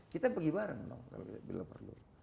kita pergi bareng dong kalau bila perlu